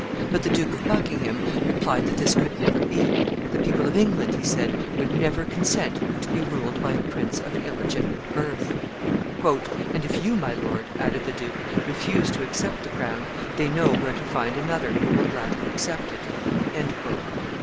But the Duke of Buckingham replied that this could never be. The people of England, he said, would never consent to be ruled by a prince of illegitimate birth. "And if you, my lord," added the duke, "refuse to accept the crown, they know where to find another who will gladly accept it." [Illustration: BAYNARD'S CASTLE.